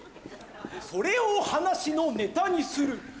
それを話のネタにする